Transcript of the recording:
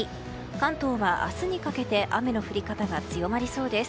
関東は明日にかけて雨の降り方が強まりそうです。